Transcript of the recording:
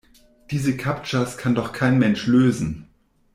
Diese Captchas kann doch kein Mensch lösen!